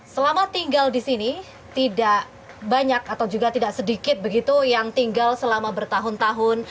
selama tinggal di sini tidak banyak atau juga tidak sedikit begitu yang tinggal selama bertahun tahun